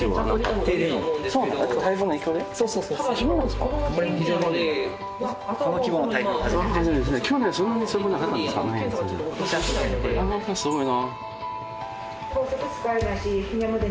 すごいな。